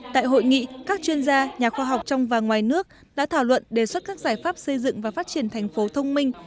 tại hội nghị các chuyên gia nhà khoa học trong và ngoài nước đã thảo luận đề xuất các giải pháp xây dựng và phát triển thành phố thông minh